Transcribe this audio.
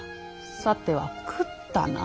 さては食ったな。